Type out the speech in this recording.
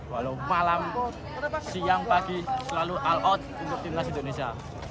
walau malam siang pagi selalu all out untuk timnas indonesia